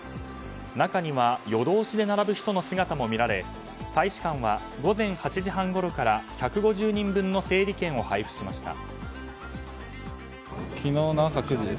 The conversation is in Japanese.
中には夜通しで並ぶ人の姿も見られ大使館は、午前８時半ごろから１５０人分の整理券を配布しました。